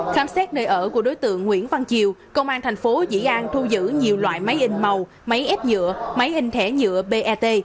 khám xét nơi ở của đối tượng nguyễn văn chiều công an thành phố dĩ an thu giữ nhiều loại máy in màu máy ép nhựa máy in thẻ nhựa pet